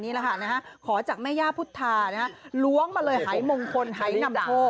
นี่แหละค่ะนะฮะขอจากแม่ย่าพุทธานะฮะล้วงมาเลยหายมงคลหายนำโชค